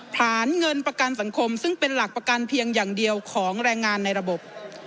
ฐานเงินประกันสังคมซึ่งเป็นหลักประกันเพียงอย่างเดียวของแรงงานในระบบ